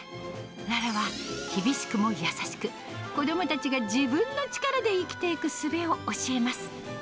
ララは厳しくも優しく、子どもたちが自分の力で生きていくすべを教えます。